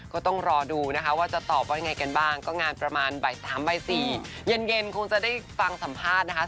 ก็ต้องรอดูนะคะว่าจะตอบว่ายังไงกันบ้างก็งานประมาณบ่าย๓บ่าย๔เย็นคงจะได้ฟังสัมภาษณ์นะคะ